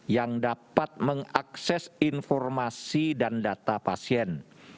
yang dapat mengakses informasi dan data pasien